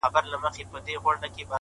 جوړ زما په لاس كې كرښې د بيلات يې